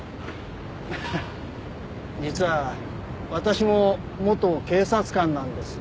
ハハッ実は私も元警察官なんです。